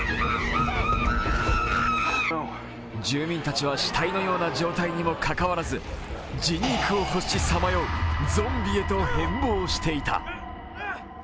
住民たちは死体のような状態にもかかわらず人肉を欲しさまようゾンビへと変貌していた。